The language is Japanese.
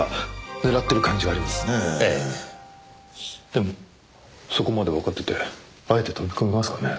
でもそこまでわかっててあえて飛び込みますかね。